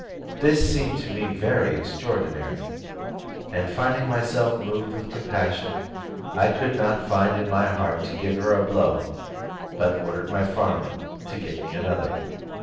This seemed to me very extraordinary, and finding myself moved with compassion, I could not find in my heart to give her a blow, but ordered my farmer to get me another.